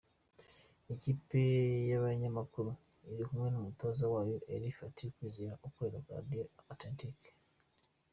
Ikipe y’ abanyamakuru iri kumwe n’ umutoza wayo Elie Fatty Kwizera ukorera Radio Authentique.